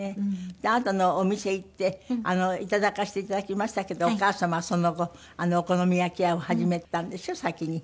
あなたのお店行っていただかせていただきましたけどお母様はその後お好み焼き屋を始めたんでしょ先に。